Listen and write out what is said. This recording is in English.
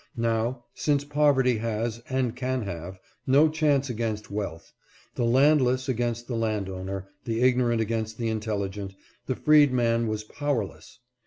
Now, since poverty has, and can have, no chance against wealth, the landless against the land owner, the ignorant against the intelligent, the freedman was powerless.